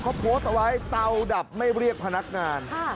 เขาโพสต์เอาไว้เตาดับไม่เรียกพนักงาน